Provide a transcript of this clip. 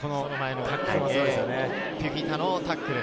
フィフィタのタックル。